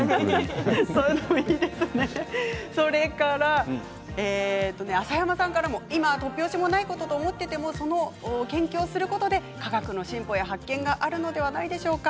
それから今突拍子もないことと思っていても研究をすることで科学の進歩や発見があるのではないでしょうか。